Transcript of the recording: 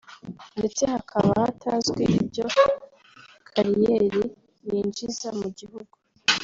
ndetse hakaba hatazwi ibyo kariyeri yinjiza mu gihugu